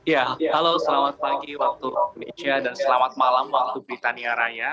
ya halo selamat pagi waktu indonesia dan selamat malam waktu britania raya